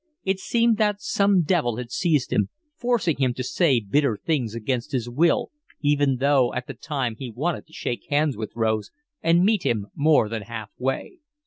It seemed that some devil had seized him, forcing him to say bitter things against his will, even though at the time he wanted to shake hands with Rose and meet him more than halfway.